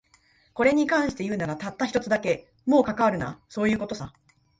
これに関して言うなら、たった一つだけ。もう関わるな、そういう事さ。